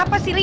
apa sih li